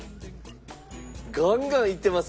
ガンガンいってます。